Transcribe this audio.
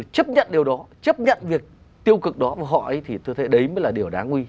chấp nhận điều đó chấp nhận việc tiêu cực đó và họ ấy thì tôi thấy đấy mới là điều đáng nguy